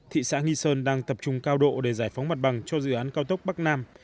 thị xã nghi sơn đang tập trung cao độ để giải phóng mặt bằng cho dự án cao tốc bắc nam